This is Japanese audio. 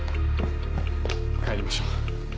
帰りましょう。